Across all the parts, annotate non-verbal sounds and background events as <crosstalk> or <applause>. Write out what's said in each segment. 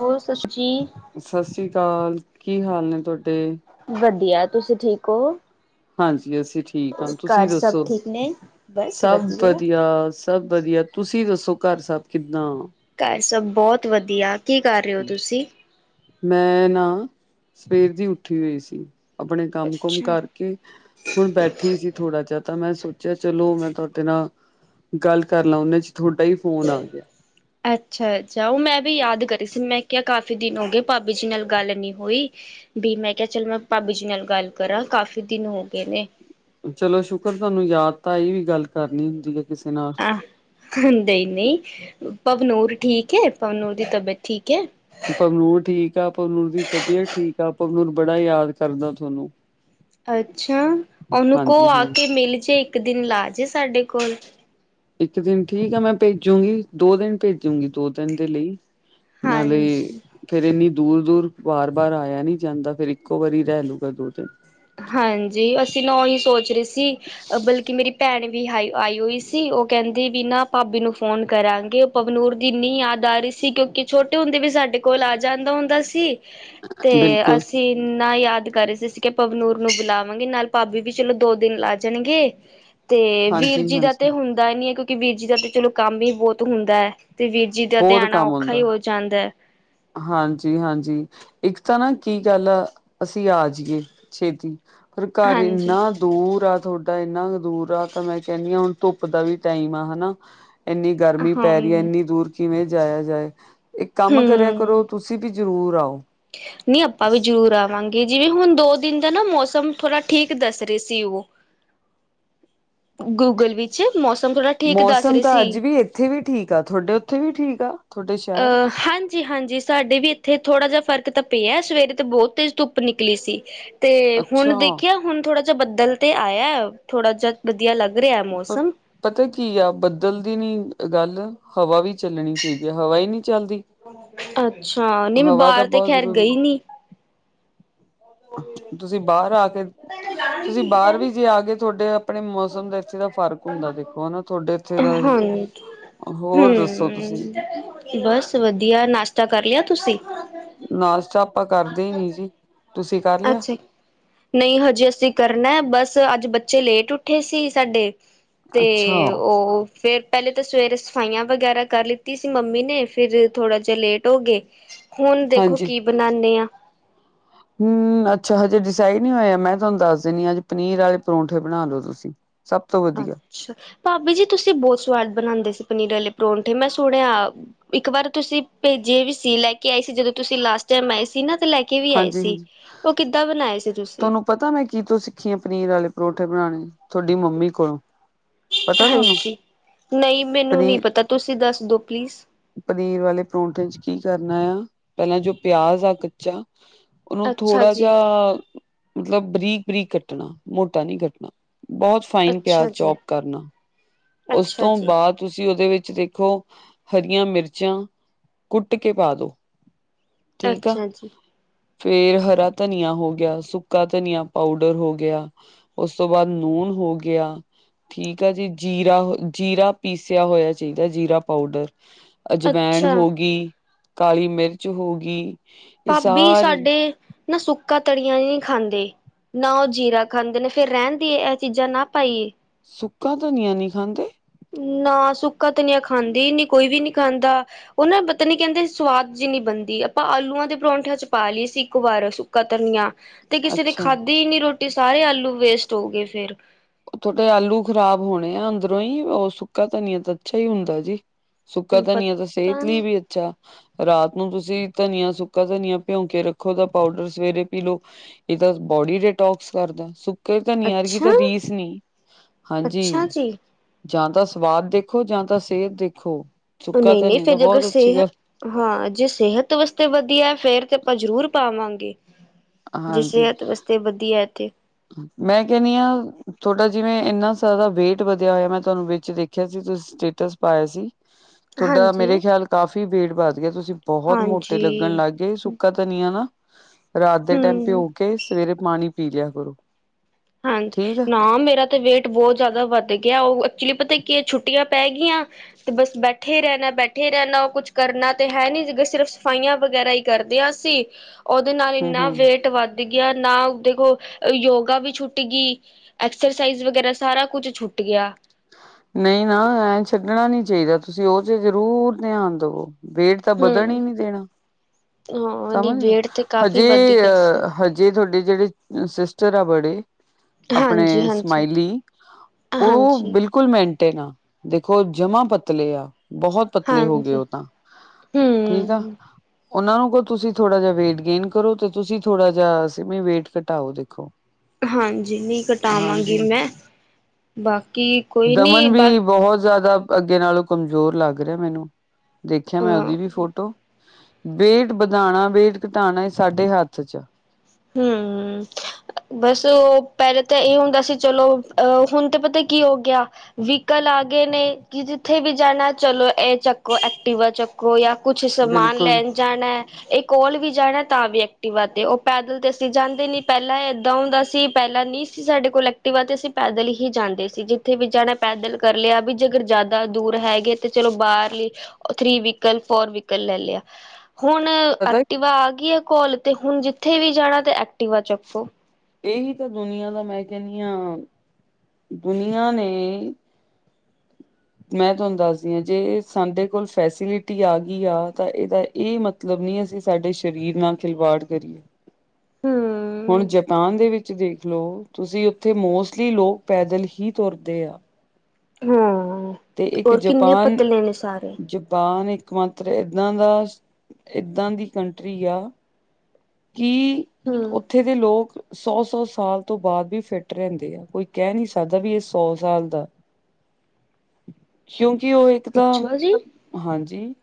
ਹੋਰ ਸਸਤੀ ਸਤਿ ਸ੍ਰੀ ਅਕਾਲ ਕੀ ਹਾਲ ਨੇ ਤੁਹਾਡੇ- ਵਧੀਆ ਤੁਸੀਂ ਠੀਕ ਹੋ- ਹਾਂਜੀ ਅਸੀਂ ਠੀਕ ਹਾਂ ਤੁਸੀਂ ਘਰ ਸਭ ਦਸੋ ਠੀਕ ਨੇ ਬਸ ਸਭ ਵਧੀਆ- ਸਭ ਵਧੀਆ ਤੁਸੀਂ ਦਸੋ ਘਰ ਸਭ ਕਿੱਦਾਂ - ਘਰ ਸਭ ਬਹੁਤ ਵਧੀਆ ਕੀ ਕਰ ਰਹੇ ਹੋ ਤੁਸੀਂ- ਮੈ ਨਾ ਸਵੇਰ ਦੀ ਉਠੀ ਹੋਈ ਸੀ ਆਪਣੇ ਕਮ ਕੁਮ ਅੱਛਾ। ਕਰ- ਕਿ ਹੁਣ ਬੈਠੀ ਸੀ ਥੋੜਾ ਜਿਹਾ ਤਾਂ ਮੈ ਸੋਚਿਆ ਚਲੋ ਮੈ ਤੁਹਾਡੇ ਨਾਲ- ਗੱਲ ਕਰ ਲਾਂ ਉਨੇ 'ਚ ਤੁਹਾਡਾ ਹੀ ਫੋਨ ਆ ਗਿਆ- <inaudible> ਅੱਛਾ- ਅੱਛਾ ਉਹ ਮੈਂ ਵੀ ਯਾਦ ਕਰੀ ਸੀ ਮੈ ਕਿਹਾ ਕਾਫੀ ਦਿਨ ਹੋ ਗਏ ਭਾਬੀ ਜੀ ਨਾਲ ਗੱਲ ਨਹੀ ਹੋਈ- ਵੀ ਮੈ ਕਿਹਾ ਚਲ ਮੈਂ ਭਾਬੀ ਜੀ ਨਾਲ ਗੱਲ ਕਰਾਂ ਕਾਫ਼ੀ ਦਿਨ ਹੋ ਗਏ ਨੇ- ਚਲੋ ਸ਼ੁਕਰ ਤੁਹਾਨੂੰ ਯਾਦ ਤਾਂ ਇਹ ਵੀ ਗੱਲ ਕਰ ਲਈ ਹੁੰਦੀ ਹੈ। ਕਿਸੇ ਨਾਲ- ਆਹ ਨਹੀਂ-ਨਹੀਂ ਪਵਨੂਰ ਠੀਕ ਹੈ ਪਵਨੂਰ ਦੀ ਤਬੀਅਤ ਠੀਕ ਹੈ। ਪਵਨੂਰ ਠੀਕ ਆ ਪਵਨੂਰ ਦੀ ਤਬੀਅਤ ਠੀਕ ਆ ਪਵਨੂਰ ਬੜਾ ਯਾਦ ਕਰਦਾ ਤੁਹਾਨੂੰ- ਅੱਛਾ ਉਹਨੂੰ ਕੋ ਹਾਂਜੀ ਆ ਹਾਂਜੀ ਕੇ ਮਿਲ ਜੇ ਇਕ ਦਿਨ ਲਾ ਜੇ ਸਾਡੇ ਕੋਲ- ਇੱਕ ਦਿਨ ਠੀਕ ਆ ਮੈ ਭੇਜੂਗੀ ਦੋ ਦਿਨ ਭੇਜੂਗੀ ਦੋ ਤਿੰਨ ਦੇ ਲਈ- ਨਾਲੇ ਹਾਂਜੀ ਫਿਰ ਇਨੀ ਦੂਰ ਦੂਰ ਵਾਰ ਵਾਰ ਆਇਆ ਨੀ ਜਾਦਾ ਫਿਰ ਇਕੋ ਵਾਰੀ ਰਹਿ ਲੂ ਦੋ ਤਿਨ- ਹਾਂਜੀ ਅਸੀਂ ਓਹੀ ਸੋਚ ਰਹੇ ਸੀ। ਬਲਕਿ ਮੇਰੀ ਭੈਣ ਵੀ ਆਈ ਹੋਈ ਸੀ ਉਹ ਕਹਿਦੀ ਵੀ ਨਾ ਭਾਬੀ ਨੂੰ ਫੋਨ ਕਰਾਗੇ- ਪਵਨੂਰ ਦੀ ਇਨੀ ਯਾਦ ਆ ਰਹੀ ਸੀ ਕਿਉਂਕਿ ਛੋਟੇ ਹੁੰਦੇ ਵੀ ਸਾਡੇ ਕੋਲ ਆ ਜਾਦਾ ਹੁੰਦਾ ਸੀ। ਤੇ ਬਿਲਕੁਲ ਅਸੀਂ ਇਨਾ ਯਾਦ ਕਰ ਰਹੇ ਸੀ ਅਸੀਂ ਕੇ - ਪਵਨੂਰ ਨੂੰ ਬੁਲਾਵਾਗੇ ਨਾਲ ਭਾਬੀ ਵੀ ਚਲੋ ਦੋ ਦਿਨ ਲਾ ਜਾਣਗੇ- ਤੇ ਵੀਰ ਹਾਂਜੀ ਜੀ ਦਾ ਹਾਂਜੀ ਤੇ ਹੁੰਦਾ ਨੀ ਹੈ ਕਿਉਂਕਿ ਵੀਰ ਜੀ ਦਾ ਤੇ ਚਲੋ ਕਮ ਹੀ ਬਹੁਤ ਹੁੰਦਾ ਹੈ। ਤੇ ਵੀਰ- ਜੀਦਾ ਬਹੁਤ ਆਣਾ ਤੇ ਕੰਮ ਔਖਾ ਹੀ ਹੁੰਦਾ ਹੋ ਜਾਂਦਾ ਹੈ। ਹਾਂਜੀ ਹਾਂਜੀ ਇੱਕ ਤਾਂ ਨਾ ਕੀ ਗੱਲ ਆ ਅਸੀਂ ਆ ਜਾਈਏ ਛੇਤੀ ਪਰ ਘਰ ਹਾਂਜੀ ਇੰਨਾ ਦੂਰ ਆ ਤ ਇੰਨਾ ਕੁ ਦੂਰ ਆ ਤਾਂ ਮੈਂ ਕਹਿੰਦੀ ਹਾਂ ਹੁਣ ਧੁੱਪ ਦਾ ਵੀ ਟਾਈਮ ਆ ਹਨਾ ਇੰਨੀ ਹਾਂ ਗਰਮੀ ਪੈ ਰਹੀ ਹੈ, ਹਮ ਇੰਨੀ ਦੂਰ ਕਿਵੇਂ ਜਾਇਆ ਜਾਏ। ਇੱਕ ਕੰਮ ਕਰਿਆ ਕਰੋ, ਤੁਸੀਂ ਵੀ ਜ਼ਰੂਰ ਆਓ। ਨਹੀਂ, ਆਪਾਂ ਵੀ ਜ਼ਰੂਰ ਆਵਾਂਗੇ। ਜਿਵੇਂ ਹੁਣ ਦੋ ਦਿਨ ਦਾ ਨਾ ਮੌਸਮ, ਥੋੜਾ ਠੀਕ ਦੱਸ ਰਹੇ ਸੀ ਉਹ। ਗੂਗਲ ਵਿੱਚ, ਮੌਸਮ ਥੋੜਾ ਮੌਸਮ ਤਾਂ, ਅੱਜ ਵੀ ਇੱਥੇ ਵੀ ਠੀਕ ਆ। ਤੁਹਾਡੇ ਉੱਥੇ ਵੀ ਠੀਕ ਆ? ਤੁਹਾਡੇ ਅ ਸ਼ਹਿਰ ਹਾਂ ਜੀ ਹਾਂਜੀ, ਸਾਡੇ ਵੀ ਇੱਥੇ ਥੋੜਾ ਜਿਹਾ ਫਰਕ ਤਾਂ ਪਿਆ ਹੈ, ਸਵੇਰੇ ਤੇ ਬਹੁਤ ਤੇਜ਼ ਧੁੱਪ ਨਿਕਲੀ ਸੀ। ਤੇ ਹੁਣ ਅੱਛਾ ਦੇਖਿਆ, ਹੁਣ ਥੋੜਾ ਜਿਹਾ ਬੱਦਲ ਤੇ ਆਇਆ ਥੋੜਾ ਜਹਾ, ਵਧੀਆ ਲੱਗ ਰਿਹਾ ਹੈ ਪ ਮੌਸਮ। ਪਤਾ ਕੀ ਆ, ਬੱਦਲ ਦੀ ਨੀ ਗੱਲ, ਹਵਾ ਵੀ ਚੱਲਣੀ ਚਾਹੀਦੀ ਹੈ। ਹਵਾ ਹੀ ਨਹੀਂ ਚੱਲਦੀ ਅੱਛਾ, ਨਹੀਂ ਮੈਂ ਹਵਾ ਤਾਂ ਬਾਹਰ ਤੇ ਬਹੁਤ ਖੈਰ ਜ਼ਰੂਰੀ ਗਈ ਨੀ। ਤੁਸੀਂ ਬਾਹਰ ਆ ਕੇ ਤੁਸੀਂ ਬਾਹਰ ਵੀ ਜੇ ਆ ਗਏ, ਤੁਹਾਡੇ ਆਪਣੇ ਮੌਸਮ ਦਾ ਇੱਥੇ ਦਾ ਫ਼ਰਕ ਹੁੰਦਾ ਦੇਖੋ, ਹਨਾ। ਤੁਹਾਡੇ ਉੱਥੇ ਹਾਂ ਦਾ ਹੀ, ਹਮ ਹੋਰ ਦੱਸੋ ਤੁਸੀਂ? ਬਸ ਵਧੀਆ, ਨਾਸ਼ਤਾ ਕਰ ਲਿਆ ਤੁਸੀਂ? ਨਾਸ਼ਤਾ, ਆਪਾਂ ਕਰਦੇ ਹੀ ਨੀ ਜੀ। ਤੁਸੀਂ ਕਰ ਲਿਆ ਅੱਛਾ। ਨਹੀਂ ਹਜੇ ਅਸੀਂ ਕਰਨਾ, ਬਸ ਅੱਜ ਬੱਚੇ ਲੇਟ ਉੱਠੇ ਸੀ ਸਾਡੇ। ਤੇ ਅੱਛਾ ਉਹ ਫੇਿਰ ਪਹਿਲੇ ਤਾਂ ਸਵੇਰੇ, ਸਫਾਈਆਂ ਵਗੈਰਾ ਕਰ ਲਿੱਤੀ ਸੀ ਮੰਮੀ ਨੇ, ਫਿਰ ਥੋੜਾ ਜਿਹਾ ਲੇਟ ਹੋ ਗਏ। ਹੁਣ ਦੇਖੋ, ਕੀ ਬਣਾਉਂਦੇ ਹਾਂ। ਹਮ, ਅੱਛਾ ਹਜੇ ਡਿਸਾਈਡ ਨਹੀਂ ਹੋਇਆ। ਮੈਂ ਤੁਹਾਨੂੰ ਦੱਸ ਦਿੰਦੀ ਹ, ਅੱਜ ਪਨੀਰ ਆਲੇ ਪਰੌਂਠੇ ਬਣਾ ਲੋ ਤੁਸੀਂ। ਸਭ ਤੋਂ ਵਧੀਆ। ਅੱਛਾ ਭਾਾਬੀ ਜੀ, ਤੁਸੀਂ ਬਹੁਤ ਸਵਾਦ ਬਣਾਉਂਦੇ ਸੀ ਪਨੀਰ ਵਾਲੇ ਪਰੌਠੇ, ਮੈਂ ਸੋਣਿਆ। ਇੱਕ ਵਾਰ ਤੁਸੀਂ ਭੇਜੇ ਵੀ ਸੀ, ਲੈ ਕੇ ਆਏ ਸੀ ਜਦੋਂ ਤੁਸੀਂ ਲਾਸਟ ਟਾਈਮ ਆਏ ਸੀ ਨਾ, ਤੇ ਲੈ ਕੇ ਕੇ ਵੀ ਆਏ ਸੀ। ਹਾਂਜੀ-ਹਾਂਜੀ ਉਹ ਕਿੱਦਾਂ ਬਣਾਏ ਸੀ ਤੁਸੀਂ? ਤੁਹਾਨੂੰ ਪਤਾ ਮੈਂ ਕੀ ਤੂੰ ਸਿੱਖੀ ਆ, ਪਨੀਰ ਵਾਲੇ ਪਰਂਠੇ ਬਣਾਉਣੇ, ਤੁਹਾਡੀ ਮੰਮੀ ਕੋਲੋਂ। ਪਤਾ ਤੁਹਾਨੂੰ ਹਾਂਜੀ, ਨਹੀਂ ਮੈਨੂੰ ਨਹੀਂ ਪਨੀਰ ਪਤਾ, ਤੁਸੀਂ ਦੱਸ ਦਿੋ ਪਲੀਜ਼ ਪਨੀਰ ਵਾਲੇ ਪਰੌਂਠੇ 'ਚ, ਕੀ ਕਰਨਾ ਆ। ਪਹਿਲਾਂ ਜੋ ਪਿਆਜ ਆ ਕੱਚਾ ਉਹਨੂੰ ਅੱਛਾ ਥੋੜ੍ਹਾ ਜੀ ਜਿਹਾ ਮਤਲਬ ਬਰੀਕ-ਬਰੀਕ ਕੱਟਣਾ, ਮੋਟਾ ਨਹੀਂ ਕੱਟਣਾ, ਬਹੁਤ ਫਾਈਨ ਅੱਛਾ ਪਿਆਜ ਜੀ ਚੌਪ ਕਰਨਾ। ਉਸ ਅੱਛਾ ਤੋਂ ਜੀ, ਬਾਅਦ ਤੁਸੀਂ ਉਹਦੇ ਵਿੱਚ ਦੇਖੋ, ਹਰੀਆਂ ਮਿਰਚਾਂ ਕੁੱਟ ਕੇ ਪਾ ਦੋ ਠੀਕ ਆ। ਅੱਛਾ ਜੀ, ਫੇਰ ਹਰਾ ਧਨੀਆ ਹੋ ਗਿਆ, ਸੁੱਕਾ ਧਨੀਆ ਪਾਊਡਰ ਹੋ ਗਿਆ। ਉਸ ਤੋਂ ਬਾਅਦ ਨੂਣ ਹੋ ਗਿਆ, ਠੀਕ ਆ ਜੀ। ਜੀਰਾ, ਜੀਰਾ ਪੀਸਿਆ ਹੋਇਆ ਚਾਹੀਦਾ, ਜੀਰਾ ਪਾਊਡਰ ਅਜਵਾੈਣ ਅੱਛਾ। ਹੋ ਗਈ, ਕਾਲੀ ਮਿਰਚ ਹੋ ਗਈ। ਇਹ ਭਾਬੀ ਸਾਰੀ ਸਾਡੇ, ਨਾ ਸੁੱਕਾ ਤਨੀਆ ਨਹੀਂ ਖਾਂਦੇ। ਨਾ ਉਹ ਜੀਰਾ ਖਾਂਦੇ ਨੇ, ਫੇਿਰ ਰਹਿੰ ਦੀਏ, ਇਹ ਚੀਜ਼ਾਂ ਨਾ ਪਾਈਏ? ਸੁੱਕਾ ਧਨੀਆ ਨਹੀਂ ਖਾਂਦੇ? ਨਾ ਸੁੱਕਾ ਤਨਿਆ ਖਾਂਦੀ ਹੀ ਨੀ, ਕੋਈ ਵੀ ਨੀ ਖਾਂਦਾ। ਉਹ ਨਾ ਪਤਾ ਨੀ ਕਹਿੰਦੇ, ਸਵਾਦ ਜਿ ਨੀ ਬਣਦੀ ਆਪਾਂ ਆਲੂਆਂ ਦੇ ਪਰੌਂਠਿਆਂ 'ਚ ਪਾ ਲਈਏ ਸੀ ਇੱਕ ਵਾਰ, ਸੁ ਤਨੀਆਂ, ਤੇ ਕਿਸੇ ਨੇ ਅੱਛਾ। ਖਾਧੀ ਨੀ ਰੋਟੀ, ਸਾਰੇ ਆਲੂ ਵੇਸਟ ਹੋ ਗਏ ਫੇਿਰ। ਤੁਹਾਡੇ ਆਲੂ ਖਰਾਬ ਹੋਣੇ ਆ ਅੰਦਰੋਂ ਈ, ਓ ਸੁੱਕਾ ਧਨੀਆ ਤਾਂ ਅੱਛਾ ਈ ਹੁੰਦਾ ਜੀ। ਸੁੱਕਾ ਧਨੀਆ ਤਾਂ ਪਤਾ ਸੇਹਤ ਲਈ ਈ, ਨੀ ਵੀ, ਏ ਅੱਛਾ, ਰਾਤ ਨੂੰ ਤੁਸੀਂ ਧਨੀਆ, ਸੁੱਕਾ ਧਨੀਆ, ਭਿਉਂ ਕੇ ਰੱਖੋ, ਤਾਂ ਪਾਊਡਰ ਸਵੇਰੇ ਪੀ ਲਓ ਏ ਤਾਂ ਬੋਡੀ ਡੀਟੋਕਸ ਕਰਦਾ ਸੁੱਕੇ ਧਨੀਏ ਵਰਗੀ ਅੱਛਾ, ਤਾਂ ਰੀਸ ਨੀ, ਅੱਛਾ ਹਾਂਜੀ। ਜੀ। ਜਾਂ ਤਾਂ ਸਵਾਦ ਦੇਖੋ, ਜਾਂ ਤਾਂ ਸੇਤ ਦੇਖੋ। ਸੁੱਕਾ ਨਈ-ਨਈ, ਧਨੀਆ ਫੇਰ ਤਾਂ ਜੇ ਅਗਰ ਬਹੁਤ ਅੱਛੀ ਸੇਹ ਗੱਲ ਹਾਂ ਜੇ ਸੇਹਤ ਵਾਸਤੇ ਵਧੀਆ, ਫੇਰ ਤੇ ਆਪਾਂ ਜ਼ਰੂਰ ਪਾਵਾਂਗੇ ਜੇ ਹਾਂਜੀ ਸੇਤ ਵਾਸਤੇ ਵਧੀਆ ਏ ਤੇ ਮੈਂ ਕੇਨੀ ਆ, ਤੁਆਡਾ ਜਿਵੇਂ ਏਨਾ ਸਾਰਾ ਵੇਟ ਵਧੇਆ ਹੋਏਆ, ਮੈਂ ਤਾਨੂੰ ਵਿੱਚ ਦੇਖਿਆ ਸੀ ਤੁਸੀਂ ਤੇ ਸਟੇਟਸ ਪਾਇਆ ਸੀ। <inaudible> ਥੋਡਾ ਮੇਰੇ ਖਿਆਲ ਕਾਫ਼ੀ ਵੇਟ ਵੱਧ ਗੇਆ, ਤੁਸੀਂ ਬੋਹਤ ਮੋਟੇ ਲੱਗਣ ਹਾਂਜੀ ਲੱਗ ਗਏ ਸੁੱਕਾ ਧਨੀਆ ਆ ਨਾ ਰਾਤ ਦੇ ਟਾਈਮ ਹੂੰ ਭਿਉ ਕੇ, ਸਵੇਰੇ ਪਾਣੀ ਪੀ ਲਿਆ ਕਰੋ ‌ ਹਾਂਜੀ, ਨਾ ਮੇਰਾ ਤੇ ਵੇਟ ਬੋਤ ਜਾਦਾ ਵੱਧ ਗੇਆ ਓ, ਐਕਚੁਲੀ ਪਤਾ ਕੀ ਏ ਛੁੱਟੀਆਂ ਪੈ ਗੀਆਂ ਤੇ ਬਸ ਬੈਠੇ ਰੈਣਾ- ਬੈਠੇ ਰੈਣਾ, ਕੁੱਛ ਕਰਨਾ ਤੇ ਹੈ ਨੀ, ਜੀਦਾ ਸਿਰਫ ਸਫਾਈਆਂ ਵਗੈਰਾ ਈ ਕਰਦੇ ਆ ਅਸੀਂ ਓਦੇ ਨਾਲ ਹੂੰ ਇੰਨਾ ਹੂੰ ਵੇਟ ਵੱਧ ਗੇਆ, ਨਾ ਦੇਖੋ ਯੋਗਾ ਵੀ ਛੁੱ ਛੁੱਟ ਗਈ, ਐਕਸਰਸਾਈਜ਼ ਵਗੈਰਾ ਸਾਰਾ ਕੁੱਛ ਛੁੱਟ ਗੇਆ ਨਹੀਂ ਨਾ ਐਂ ਨਾ ਛੱਡਣਾ ਨਈ ਚਾਈਦਾ, ਤੁਸੀਂ ਓ ਚ ਜ਼ਰੂਰ ਧਿਆਨ ਦਵੋ ਵੇਟ ਤਾ ਬਦਨ ਹੂੰ, ਈ ਨਈ ਦੇਣਾ, ਹਾਂ ਨੀ ਸਮਝ ਗਏ ਨਾ, ਵੇਟ ਤੇ ਕਾਫ਼ੀ ਵੱਧ ਹਜੇ ਗਿਆ ਸੀ। ਅ ਏ ਤੁਆਡੇ ਜੇੜੇ ਸਿਸਟਰ ਆ ਬੜੇ ਆਪਣੇ ਹਾਂਜੀ-ਹਾਂਜੀ, ਸਮਾਇਲੀ ਓ ਹਾਂਜੀ, ਬਿਲਕੁਲ ਮੇਨਟੇਨ ਆ, ਦੇਖੋ ਜਮਾ ਪਤਲੇ ਆ ਬੋਹਤ ਪਤਲੇ ਹੋ ਗਏ ਹਾਂਜੀ। ਹਾਂਜੀ, ਓ ਤਾਂ, ਠੀਕ ਆ ਹੂੰ, ਓਨਾਂ ਨੂੰ ਕਹੋ ਤੁਸੀਂ ਥੋੜਾ ਜੇਹਾ ਵੇਟ ਗੇਨ ਕਰੋ, ਤੇ ਤੁਸੀਂ ਥੋੜਾ ਜੇਹਾ ਸਿਮੀ ਵੇਟ ਘਟਾਓ, ਦੇਖੋ ਹਾਂਜੀ, ਨਈ ਹਾਂਜੀ ਘਟਾਵਾਂਗੀ ਮੈਂ, ਬਾਕੀ ਕੋਈ ਨੀ ਦਮਨ ਬਾ ਵੀ ਬੋਹਤ ਜ਼ਾਦਾ ਅੱਗੇ ਨਾਲੋਂ ਕਮਜ਼ੋਰ ਲੱਗ ਰਏ ਮੈਂਨੂੰ ਦੇਖਿਆ ਮੈਂ ਅੱਜ ਓਦੀ ਅ ਫੋਟੋ, ਵੇਟ ਵਧਾਣਾ, ਵੇਟ ਘਟਾਣਾ ਸਾਡੇ ਹੱਥ ਚ ਆ। ਹਮ। ਬਸ ਓ ਪੇਲੇ ਤਾਂ ਏ ਹੁੰਦਾ ਸੀ ਚਲੋ ਅ, ਹੁਣ ਤੇ ਪਤਾ ਕੀ ਹੋ ਗੇਆ ਵੀਕਲ ਆ ਗਏ ਨੇ, ਕਿ ਜਿੱਥੇ ਵੀ ਜਾਣਾ ਚਲੋ, ਏ ਚੱਕੋ ਐਕਟਿਵਾ ਚੱਕੋ ਜਾਂ ਕੁਛ ਸਮਾਨ ਬਿਲਕੁਲ ਲੈਣ ਜਾਣਾ, ਏ ਕੋਲ ਵੀ ਜਾਣਾ ਤਾਂ ਵੀ ਐਕਟਿਵਾ ਤੇ ਓ ਪੈਦਲ ਤੇ ਅਸੀਂ ਜਾਂਦੇ ਨੀ, ਪੇਲਾਂ ਏਦਾਂ ਹੁੰਦਾ ਸੀ, ਪੇਲਾਂ ਨਹੀਂ ਸੀ ਸਾਡੇ ਕੋਲ ਐਕਟਿਵ ਆ ਤੇ ਅਸੀਂ ਪੈਦਲ ਈ ਫੇਰ ਜਾਂਦੇ ਸੀ, ਜਿੱਥੇ ਵੀ ਜਾਣਾ ਪੈਦਲ ਕਰ ਲੇਆ ਵੀ, ਜੇਕਰ ਜ਼ਾਦਾ ਦੂਰ ਹੈਗੇ ਤੇ ਚਲੋ ਬਾਹਰਲੀ ਓ ਥ੍ਰੀ ਵੀਕਲ, ਫੋਰ ਵੀਕਲ ਲੈ ਲੇਆ ਹੁਣ ਪਤਾ ਐਕਟਿਵਾ ਆ ਗਈ ਆ ਕੋਲ, ਤੇ ਹੁਣ ਜਿੱਥੇ ਵੀ ਜਾਣਾ ਤੇ ਐਕਟਿਵਾ ਚੱਕੋ ਏਵੀ ਤਾਂ ਦੁਨੀਆਂ ਦਾ ਮੈਂ ਕੇਨੀ ਆ, ਦੁਨੀਆਂ ਨੇ ਮੈਂ ਤੁਆਨੂੰ ਦੱਸਦੀ ਆ, ਜੇ ਸਾਡੇ ਕੋਲ ਫੈਸਿਲਿਟੀ ਆ ਗਈ ਆ, ਤਾਂ ਏਦਾ ਏ ਮਤਲ ਮਤਲਬ ਨਈ ਕੀ ਅਸੀਂ ਸਾਡੇ ਸਰੀਰ ਨਾਲ ਖਿਲਵਾੜ ਕਰੀਏ, ਹੁਣ ਹੂੰ। ਜਾਪਾਨ ਦੇ ਵਿੱਚ ਦੇਖਲਓ ਤੁਸੀਂ, ਉੱਥੇ ਮੋਸਟਲੀ ਲੋਕ ਪੈਦਲ ਹੀ ਤੁਰਦੇ ਆ। ਹਾਂ ਤੇ ਇੱਕ ਹੋਰ ਕਿੰਨੇ ਜਪਾਨ, ਪਤਲੇ ਨੇ ਸਾਰੇ। ਜਪਾਨ ਇੱਕ ਇਕਮਾਤਰ ਏਦਾਂ ਦਾ, ਏਦਾਂ ਦੀ ਕੰਟਰੀ ਆ ਕੀ ਹੂੰ। ਓਥੇ ਦੇ ਲੋਕ ਸੌ-ਸੌ ਸਾਲ ਤੋਂ ਬਾਅਦ ਵੀ ਫਿੱਟ ਰਹਿੰਦੇ ਆ, ਕੋਈ ਕੈ ਨੀ ਸਕਦਾ ਵੀ ਏ ਸੌ ਸਾਲ ਦਾ ਕਿਉਂਕਿ ਓ ਇੱਕ ਤਾਂ ਅੱਛਾ ਜੀ ਹਾਂਜੀ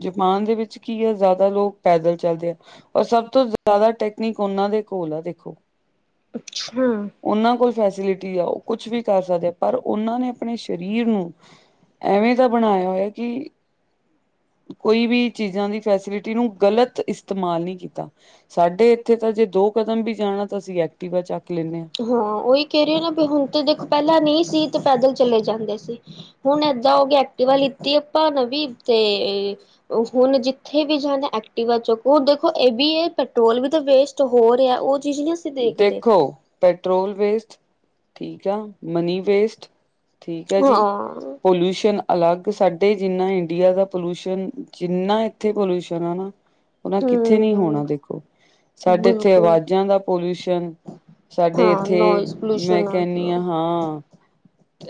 ਜਪਾਨ ਦੇ ਵਿੱਚ ਕੀ ਐ ਜਾਂਦਾ ਲੋਗ ਪੈਦਲ ਚੱਲਦੇ ਐਂ। ਔਰ ਸਭ ਤੋਂ ਜ਼ਿਆਦਾ ਟੈਕਨੀਕ ਓਨਾਂ ਦੇ ਕੋਲ ਐ ਦੇਖੋ ਅੱਛਾ। ਓਨਾਂ ਕੋਲ ਫੈਸਿਲਿਟੀ ਆ ਓ ਕੁਛ ਵੀ ਕਰ ਸਕਦੇ ਪਰ ਓਨਾਂ ਨੇ ਆਪਣੇ ਸ਼ ਰੀਰ ਨੂੰ ਐਵੇਂ ਦਾ ਬਣਾਯਾ ਹੋਯਾ ਕਿ ਕੋਈ ਵੀ ਚੀਜ਼ਾਂ ਦੀ ਫੈਸਿਲਿਟੀ ਨੂੰ ਗਲਤ ਇਸਤੇਮਾਲ ਨਈ ਕੀਤਾ। ਸਾਡੇ ਐਥੇ ਤਾਂ ਜੇ ਦੋ ਕਦਮ ਵੀ ਜਾਣਾ ਤਾਂ ਅਸੀਂ ਐਕਟੀਵਾ ਚੱਕ ਲੈਂਣੇ ਆਂ। ਹਾਂ ਓਈ ਕੈ ਰੀ ਆ ਨਾ ਵੀ ਹੁਣ ਤਾਂ ਦੇਖੋ ਪੈਲਾਂ ਨਈ ਸੀ ਤੇ ਪੈਦਲ ਚਲੇ ਜਾਂਦੇ ਸੀ। ਹੁਣ ਏਦਾਂ ਹੋ ਕੇ ਐਕਟਿਵਾ ਲਤੀ ਆਪਾਂ ਨਵੀ ਤੇ ਹੁਣ ਜਿੱਥੇ ਵੀ ਜਾਣਾ ਐਕਟਿਵਾ ਚੋਂਕ ਹੁਣ ਦੇਖੋ ਏ ਵੀ ਏ ਪੈਟਰੋਲ ਵੀ ਤੇ ਵੇਸਟ ਹੋ ਰੇਆ ਓ ਚੀਜ਼ ਨਾ ਅਸ ਦੇਖੋ ਪੈਟਰੋਲ ਵੇਸਟ ਠੀਕ ਆ, ਮਨੀ ਵੇਸਟ ਠੀਕ ਐ ਜੀ। ਹਾਂ। ਪੋਲਿਊਸ਼ਨ ਅਲੱਗ ਸਾਡੇ ਜਿੰਨਾ ਇੰਡੀਆ ਦਾ ਪੋਲਿਊਸ਼ਨ ਜਿੰਨਾ ਇੱਥੇ ਪੋਲਿਊਸ਼ਨ ਆ ਨਾ <unintelligible> ਓਨਾਂ ਕਿੱਥੇ ਨੀ ਹੋਣਾ ਹੂੰ। ਦੇਖੋ ਸਾਡੇ ਐਥੇ ਬਿਲਕੁਲ ਆਵਾਜ਼ਾਂ ਦਾ ਪੋਲਿਊਸ਼ਨ ਸਾਡੇ ਹਾਂ ਐਥੇ ਨੋਇਜ਼ ਮੈਂ ਪੋਲਿਊਸ਼ਨ ਕਹਿੰਣੀ ਗਿਆ ਆ ਹਾਂ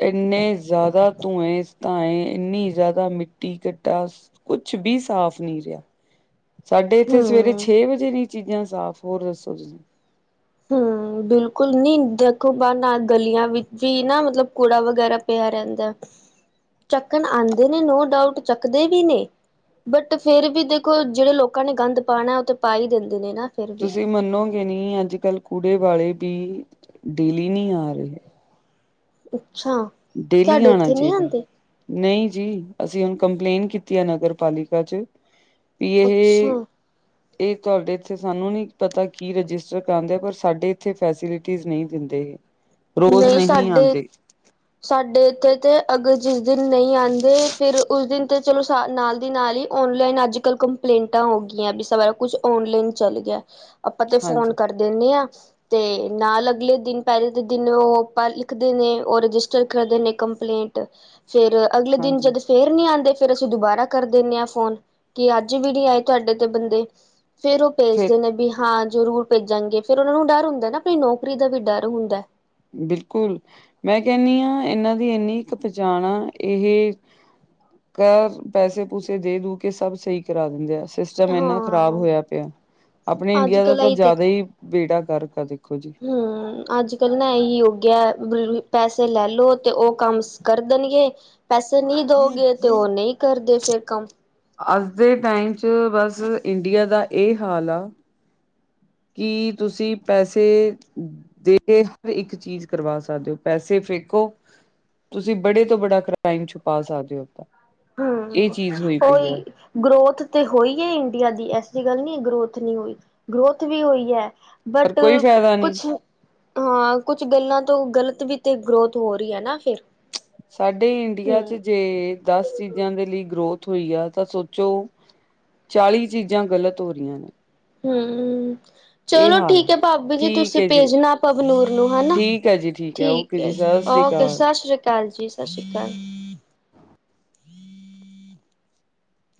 ਏਂਨੇ ਜ਼ਿਆਦਾ ਧੂੰਏ-ਧਾਂਏ ਇੰਨੀ ਜ਼ਿਆਦਾ ਮਿੱਟੀ-ਕੱਟਾ ਕੁਛ ਬੀ ਸਾਫ਼ ਨਈ ਰੇਆ। ਸਾਡੇ ਏਥੇ ਸਵੇਰੇ ਹੂੰ ਛੇ ਵਜੇ ਨੀ ਚੀਜ਼ਾਂ ਸਾਫ਼ ਹੋਰ ਦੱਸੋ ਤੁਸੀਂ ਹੂੰ। ਬਿਲਕੁਲ ਨੀ ਦੇਖੋ ਬਾਹਰ ਨਾ ਗਲੀਆਂ ਵਿੱਚ ਵੀ ਨਾ ਮਤਲਬ ਕੂੜਾ ਵਗੈਰਾ ਪਿਆ ਰਹਿੰਦਾ। ਚੱਕਣ ਆਂਦੇ ਨੇ ਨੋ ਡਾਊਟ ਚੱਕਦੇ ਵੀ ਨੇ ਬਟ ਫੇਰ ਵੀ ਦੇਖੋ ਜੇੜੇ ਲੋਕਾਂ ਨੇ ਗੰਦ ਪਾਣਾ ਓ ਤੇ ਪਾ ਈ ਦਿੰਦੇ ਨੇ ਨਾ। ਫਿਰ ਵੀ ਤੁਸੀਂ ਮੰਨੋਗੇ ਨੀ ਅੱਜ-ਕੱਲ ਕੂੜੇ ਵਾਲੇ ਵੀ ਡੇਲੀ ਨੀ ਆਰੇ। ਅੱਛਾ ਤੁਆਡੇ ਓਥੇ ਨੀ ਆਂਦੇ। ਨਈ ਜੀ ਅਸੀਂ ਹੁਣ ਕੰਪਲੇਂਨ ਕੀਤੀ ਆ ਨਗਰ ਪਾਲਿਕਾ ਚ ਯੇਹੇ ਅੱਛਾ ਏ ਤੁਹਾਡੇ ਇਥੇ ਸਾਨੂੰ ਨੀ ਪਤਾ ਕੀ ਰਜਿਸਟਰ ਕਰਾਦੇ ਪਰ ਸਾਡੇ ਇਥੇ ਫੈਸਿਲਿਟੀਜ ਨਈ ਦਿੰਦੇ। ਰੋਜ਼ ਨਹੀਂ ਆਂਦੇ। <inaudible> ਸਾਡੇ ਇੱਥੇ ਤਾਂ ਅਗਰ ਜਿਸ ਦਿਨ ਨਈ ਆਂਦੇ ਫਿਰ ਉਸ ਦਿਨ ਤੇ ਚਲੋ ਸਾ ਨਾਲ ਦੀ ਨਾਲ ਈ ਔਨਲਾਈਨ ਅੱਜ-ਕੱਲ ਕੰਪਲੇਂਟਾਂ ਹੋ ਗਈਆਂ ਵੀ ਸਾਰਾ ਕੁਛ ਔਨਲਾਈਨ ਚੱਲ ਗਿਆ। ਅਪਾਂ ਤੇ ਫੋਨ ਹਾਂਜੀ ਕਰ ਦਿਣੇ ਆ ਤੇ ਨਾਲ ਅਗਲੇ ਦਿਨ ਪੈ ਇਕ ਦਿਨ ਓ ਪਰ ਲਿਖਦੇ ਨੇ ਓ ਰਜਿਸਟਰ ਕਰਦੇ ਨੇ ਕੰਪਲੇਂਟ ਫਿਰ ਅਗਲੇ ਦਿਨ ਹਾਂਜੀ ਜਦ ਫੇਰ ਨੀ ਆਦੇ ਫੇਰ ਅਸੀਂ ਦੋਬਾਰਾ ਕਰ ਦਿੰਣੇ ਆ ਫ਼ੋਨ ਕਿ ਅੱਜ ਵੀ ਨੀ ਆਏ ਤੁਆਡੇ ਤੇ ਬੰਦੇ। ਫੇਰ ਉਹ ਫੇਰ ਪੇਜਦੇ ਨੇ ਵੀ ਹਾਂ ਜ਼ਰੂਰ ਪੇਜਾਂਗੇ ਫਿਰ ਓਨਾ ਨੂੰ ਡਰ ਹੁੰਦਾ ਨਾ ਆਪਣੀ ਨੌਕਰੀ ਦਾ ਵੀ ਡਰ ਹੁੰਦਾ। ਬਿਲਕੁਲ ਮੈਂ ਕੈਣੀ ਆ ਏਨਾਂ ਦੀ ਇੰਨੀ ਕੁ ਪਚਾਨ ਆ ਏਹ ਘ ਪੈਸੇ-ਪੂਸੇ ਦੇ ਦੂ ਕੇ ਸਭ ਸਹੀ ਕਰਾ ਦਿੰਦੇ ਆ। ਸਿਸਟਮ ਏਨਾ ਖ਼ਰਾਬ ਹਾਂ ਹੋਇਆ ਪਯਾ। ਆਪਣੇ ਅੱਜ ਇੰਡੀਆ ਦਾ ਕੱਲ ਤਾਂ ਇਹੀ ਜ਼ਿਆਦਾ ਈ ਬੇੜਾ ਗਰਕ ਐ ਦੇਖੋ ਜੀ। ਹੂੰ। ਅੱਜ ਕੱਲ੍ਹ ਨਾ ਇਹੀ ਯੋਗਿਆ ਪੈਸੇ ਲੈ ਲੋ ਤੇ ਉਹ ਕੰਮ ਕਰ ਦੇਣਗੇ ਪੈਸੇ ਨਹੀਂ ਦਓਗੇ ਤੇ ਉਹ ਨਹੀਂ ਕਰਦੇ ਫੇਰ ਕੰਮ। ਅੱਜ ਦੇ ਟਾਈਮ 'ਚ ਬਸ ਇੰਡੀਆ ਦਾ ਇਹ ਹਾਲ ਆ ਕੀ ਤੁਸੀਂ ਪੈਸੇ ਦੇ ਹਰ ਇੱਕ ਚੀਜ਼ ਕਰਵਾ ਸਕਦੇ ਹੋ ਪੈਸੇ ਫੇਕੋ ਤੁਸੀਂ ਬੜੇ ਤੋਂ ਬੜਾ ਕ੍ਰਾਈਮ ਛੁਪਾ ਸਕਦੇ ਓ ਏਦਾਂ। ਹੂੰ ਓਈ। ਗਰੋਥ ਤੇ ਹੋਈ ਐ ਇੰਡੀਆ ਦੀ ਐਸੀ ਗੱਲ ਨਈ ਗਰੋਥ ਨਈ ਹੋਈ ਗਰੋਥ ਵੀ ਹੋਈ ਐ। ਪਰ ਬਟ ਕੋਈ ਫਾਇਦਾ ਨਹੀਂ ਕੁਛ ਹਾਂ ਕੁਛ ਗੱਲਾਂ ਤੋਂ ਗ਼ਲਤ ਵੀ ਤੇ ਗਰੋਥ ਹੋ ਰਈ ਐ। ਨਾ ਫਿਰ ਸਾਡੇ ਇੰਡੀਆ ਹਮ ਚ ਜੇ ਦੱਸ। ਚੀਜ਼ਾਂ ਦੇ ਲਈ ਗਰੋਥ ਹੋਈ ਆ ਤਾਂ ਸੋਚੋ, ਚਾਲੀ ਚੀਜ਼ਾਂ ਗਲਤ ਹੋ ਰਈਆਂ ਨੇ। ਹੂੰ-ਹੂੰ। ਇਹ ਚਲੋ ਹਾਲ ਆ ਠੀਕ ਐ ਭਾਬੀ ਜੀ ਠੀਕ ਤੁਸੀਂ ਹੈ ਜੀ ਭੇਜਣਾ ਭਵਨੂਰ ਨੂੰ ਹੈਨਾ ਠੀਕ ਹੈ ਜੀ ਹੈ ਠੀਕ। ਓਕੇ ਜੀ ਸਤਿ ਸ੍ਰੀ ਓਕੇ, ਅਕਾਲ ਸਤਿ ਸ੍ਰੀ ਅਕਾਲ ਜੀ, ਸਤਿ ਸ਼੍ਰੀ ਅਕਾਲ।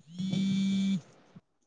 <unintelligible>